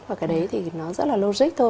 và cái đấy thì nó rất là logic thôi